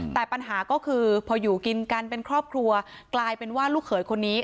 แต่ปัญหาก็คือพออยู่กินกันเป็นครอบครัวกลายเป็นว่าลูกเขยคนนี้